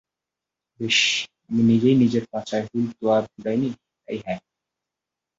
বেশ, আমি নিজেই নিজের পাছায় হুল তো আর ফুটাইনি, তাই হ্যাঁ।